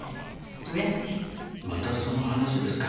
またその話ですか。